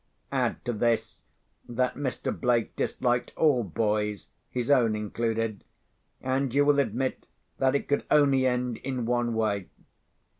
_" Add to this, that Mr. Blake disliked all boys, his own included, and you will admit that it could only end in one way.